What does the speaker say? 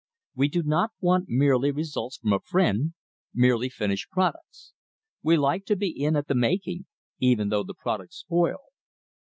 We do not want merely results from a friend merely finished products. We like to be in at the making, even though the product spoil.